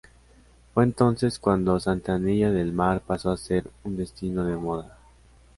Fue entonces cuando Santillana del Mar pasó a ser un destino de moda.